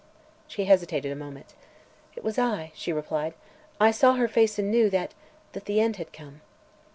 She hesitated a moment. "It was I," she replied. "I saw her face and knew that that the end had come."